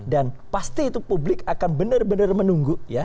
dan pasti itu publik akan benar benar menunggu